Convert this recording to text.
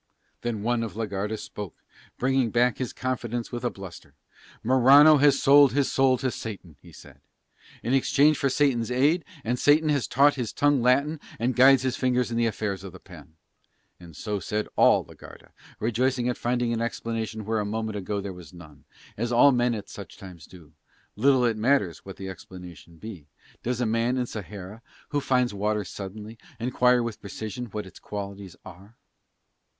Then one of la Garda spoke, bringing back his confidence with a bluster. "Morano has sold his soul to Satan," he said, "in exchange for Satan's aid, and Satan has taught his tongue Latin and guides his fingers in the affairs of the pen." And so said all la Garda, rejoicing at finding an explanation where a moment ago there was none, as all men at such times do: little it matters what the explanation be: does a man in Sahara, who finds water suddenly, inquire with precision what its qualities are?